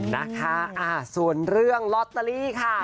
นะคะส่วนเรื่องลอตเตอรี่ค่ะ